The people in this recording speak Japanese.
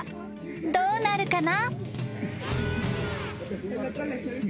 ［どうなるかな？］